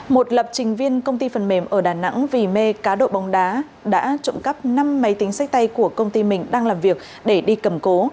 một lập trình viên công ty phần mềm ở đà nẵng vì mê cá độ bóng đá đã trộm cắp năm máy tính sách tay của công ty mình đang làm việc để đi cầm cố